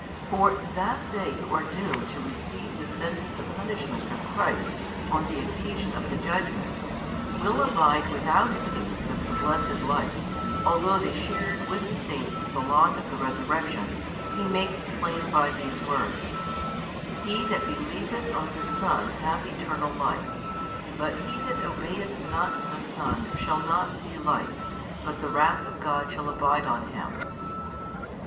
For that they who are doomed to receive the sentence of punishment from Christ on the occasion of the judgment, will abide without a taste of the blessed life, although they shared with the Saints the lot of resurrection, He makes plain by these words: He that believeth on the Son hath eternal life, but he that obeyeth not the Son shall not see life, but the wrath of God shall abide on Him.